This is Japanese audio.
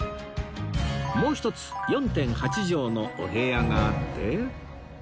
もう一つ ４．８ 帖のお部屋があって